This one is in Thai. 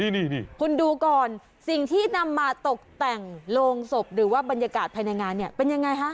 นี่คุณดูก่อนสิ่งที่นำมาตกแต่งโรงศพหรือว่าบรรยากาศภายในงานเนี่ยเป็นยังไงฮะ